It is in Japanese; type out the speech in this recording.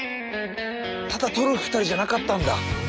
ただとる２人じゃなかったんだ。